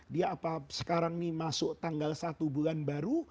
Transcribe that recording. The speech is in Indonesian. dia apa sekarang ini masuk tanggal satu bulan baru